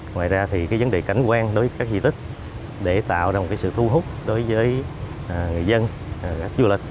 ngoài ra thì vấn đề cảnh quan đối với các di tích để tạo ra một sự thu hút đối với người dân các du lịch